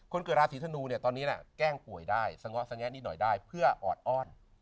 เกิดราศีธนูเนี่ยตอนนี้แกล้งป่วยได้สะเงาะสแงะนิดหน่อยได้เพื่อออดอ้อน